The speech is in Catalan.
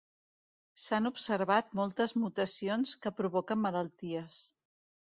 S'han observat moltes mutacions que provoquen malalties.